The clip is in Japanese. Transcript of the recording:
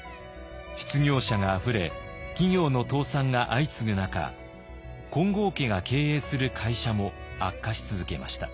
失業者があふれ企業の倒産が相次ぐ中金剛家が経営する会社も悪化し続けました。